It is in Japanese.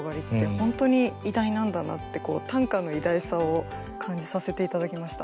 本当に偉大なんだなって短歌の偉大さを感じさせて頂きました。